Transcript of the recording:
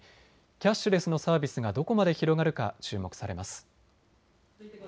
キャッシュレスのサービスがどこまで広がるか注目されます。